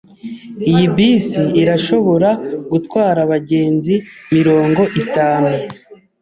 Iyi bisi irashobora gutwara abagenzi mirongo itanu.